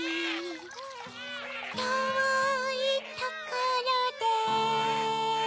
とおいところで